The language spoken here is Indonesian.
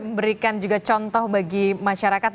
memberikan juga contoh bagi masyarakat